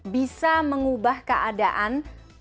bisa mengubah keadaan